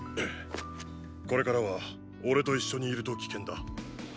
これからは俺と一緒にいると危険だ。